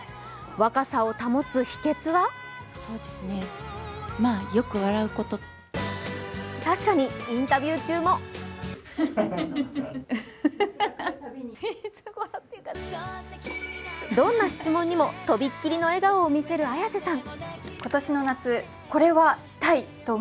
若さを保つ秘けつは確かに、インタビュー中もどんな質問にもとびっきりの笑顔を見せる綾瀬さん。